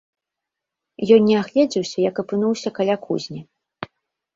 Ён не агледзеўся, як апынуўся каля кузні.